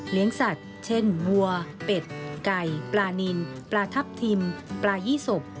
สัตว์เช่นวัวเป็ดไก่ปลานินปลาทับทิมปลายี่สบ